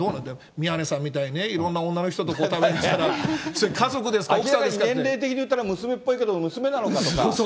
宮根さんみたいにいろんな女の人とね、それ、年齢的にいったら娘っぽいけど、娘なのかとか。